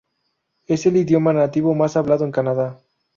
Es el idioma nativo más hablado en Canadá.